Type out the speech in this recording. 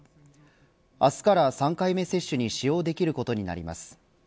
明日から３回目接種に使用できることになります。